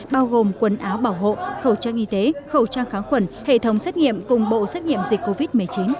bao gồm quần áo bảo hộ khẩu trang y tế khẩu trang kháng khuẩn hệ thống xét nghiệm cùng bộ xét nghiệm dịch covid một mươi chín